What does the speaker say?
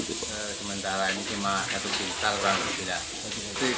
sementara ini cuma satu kintal kurang lebih